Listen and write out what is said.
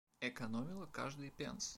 Экономила каждый пенс.